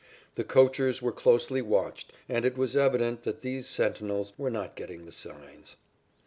The coachers were closely watched and it was evident that these sentinels were not getting the signs.